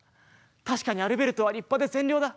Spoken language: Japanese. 確かにアルベルトは立派で善良だ。